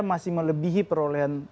masih melebihi perolehan